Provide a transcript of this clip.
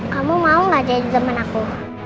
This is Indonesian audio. kamu mau gak jadi zaman aku